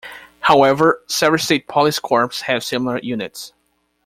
However, several state police corps have similar units.